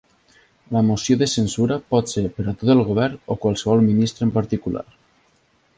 La moció de censura pot ser per a tot el govern o qualsevol ministre en particular.